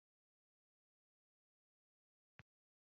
karori, akatana mu nsi y' urugo ahinguka mu rugo yiroha mu nzu